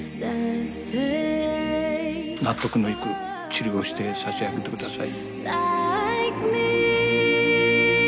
「納得のいく治療をして差し上げてください」